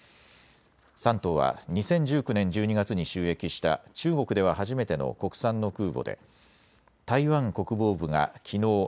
山東は２０１９年１２月に就役した中国では初めての国産の空母で台湾国防部がきのう